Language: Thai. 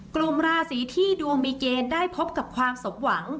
กลุ่มราศีที่ดวงมีเกณฑ์ได้พบกับความสมหวัง